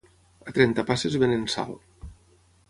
A Trentapasses venen sal